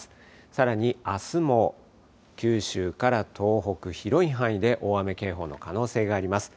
さらにあすも、九州から東北、広い範囲で大雨警報の可能性があります。